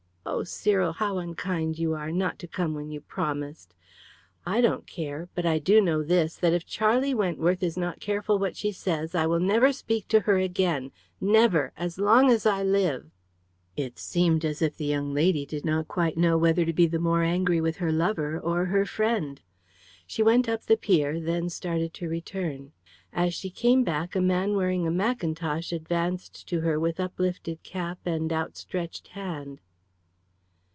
Oh, Cyril, how unkind you are, not to come when you promised! I don't care, but I do know this, that if Charlie Wentworth is not careful what she says, I will never speak to her again never as long as I live!" It seemed as if the young lady did not quite know whether to be the more angry with her lover or her friend. She went up the pier; then started to return. As she came back a man wearing a mackintosh advanced to her with uplifted cap and outstretched hand.